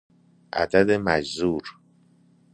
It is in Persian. عدد مجذور